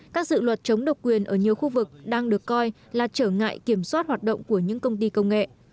các dự luật chống độc quyền ở nhiều khu vực đang được coi là trở ngại kiểm soát hoạt động của những công ty công nghệ